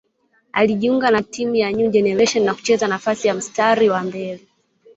Alijiunga na timu ya New Generation na kucheza nafasi ya mstari wa mbele